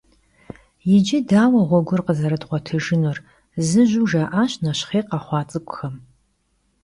«Yicı daue ğuegur khızerıdğuetıjjınur?» - zıjeu jja'aş neşxhêy khexhua ts'ık'uxem.